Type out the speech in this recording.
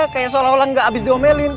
kayak seolah olah gak abis diomelin